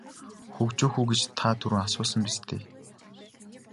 Хөгжөөх үү гэж та түрүүн асуусан биз дээ.